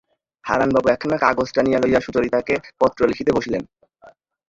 হারানবাবু একখানা কাগজ টানিয়া লইয়া সুচরিতাকে পত্র লিখিতে বসিলেন।